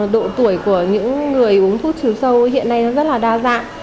độ tuổi của những người uống thuốc trừ sâu hiện nay rất là đa dạng